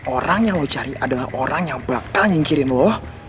orang yang lo cari adalah orang yang bakal nyingkirin lo